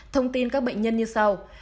thông tin các bệnh nhân như sau